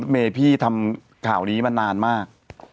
เมย์พี่ทำข่าวนี้มานานมาก